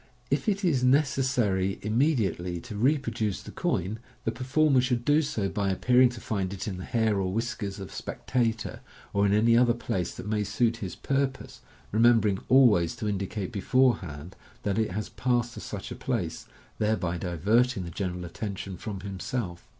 If it is neces sary immediately to reproduce the coin, the performer should do so by appearing to find it in the hair or whiskers of a spectator, or in any other place that may suit his purpose, remembering always to indicate beforehand that it has passed to such a place, thereby divert ing the general attention from himself.